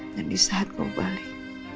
dan di saat kau balik